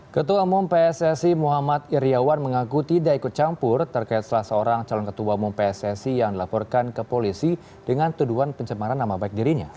ketua umum pssi muhammad iryawan mengaku tidak ikut campur terkait salah seorang calon ketua umum pssi yang dilaporkan ke polisi dengan tuduhan pencemaran nama baik dirinya